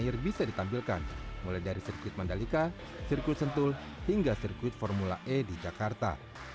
air bisa ditampilkan mulai dari sirkuit mandalika sirkuit sentul hingga sirkuit formula e di jakarta